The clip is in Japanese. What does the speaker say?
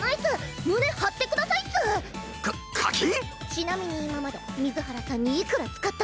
⁉ちなみに今まで水原さんにいくら使ったんスか？